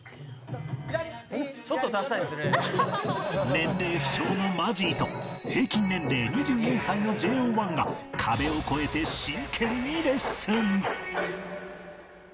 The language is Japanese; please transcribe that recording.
年齢不詳のマジーと平均年齢２４歳の ＪＯ１ が壁を超えて真剣にレッスン